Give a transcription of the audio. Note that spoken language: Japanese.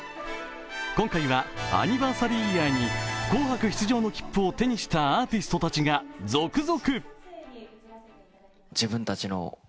今回はアニバーサリーイヤーに「紅白」出場の切符を手にした人たちが続々。